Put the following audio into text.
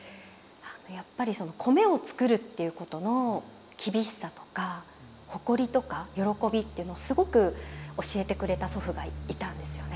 やっぱりその米を作るっていうことの厳しさとか誇りとか喜びっていうのをすごく教えてくれた祖父がいたんですよね。